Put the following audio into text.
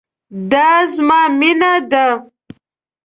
دا زما مينه ده